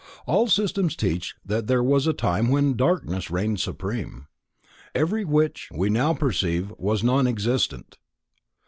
All systems teach that there was a time when darkness reigned supreme. Everything which we now perceive was then non existent.